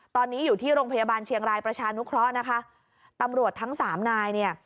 ตอนนี้อยู่ที่โรงพยาบาลเชียงรายประชานุเคราะห์นะคะตำรวจทั้งสามนายเนี่ย